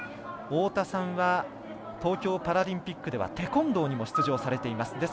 太田さんは東京パラリンピックではテコンドーにも出場されています。